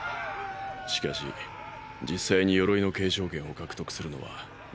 しかし実際に「鎧」の継承権を獲得するのはガビになりそうだ。